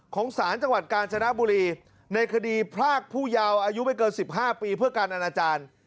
ของศาลจังหวัดกาญจนบุรีในคดีพรากผู้ยาวอายุไม่เกิน๑๕ปีเพื่อการอนาจารย์